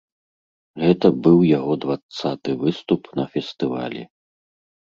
Гэта быў яго дваццаты выступ на фестывалі.